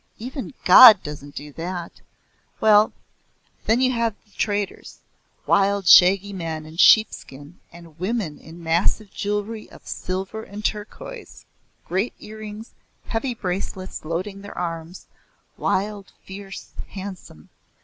Even God doesn't do that. Well then you had the traders wild shaggy men in sheepskin and women in massive jewelry of silver and turquoise, great earrings, heavy bracelets loading their arms, wild, fierce, handsome.